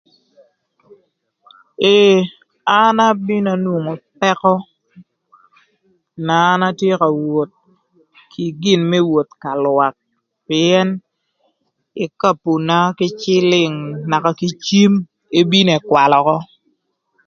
Ee an abino anwongo pëkö na an atye ka woth kï gin më woth ka lwak pïën ekapuna kï cïlïng naka kï cim ebino ëkwalö ökö.